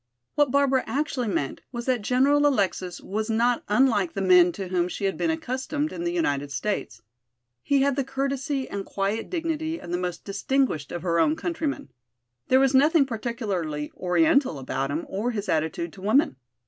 What Barbara actually meant was that General Alexis was not unlike the men to whom she had been accustomed in the United States. He had the courtesy and quiet dignity of the most distinguished of her own countrymen. There was nothing particularly oriental about him or his attitude to women.